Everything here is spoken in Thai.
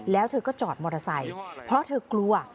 แล้วเธอก็จอดมอเตอร์ไซค์เพราะเธอกลัว